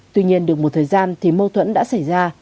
tuy nhiên được một thời gian thì mâu thuẫn đã xảy ra